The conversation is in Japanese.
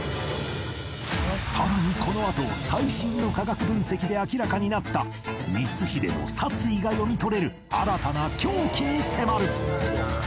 さらにこのあと最新の科学分析で明らかになった光秀の殺意が読み取れる新たな凶器に迫る！